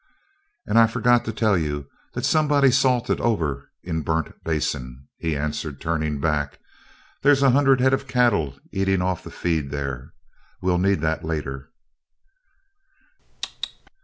"And I fergot to tell you that somebody's 'salted' over in Burnt Basin," he answered, turning back. "There's a hunerd head o' cattle eatin' off the feed there. We'll need that, later."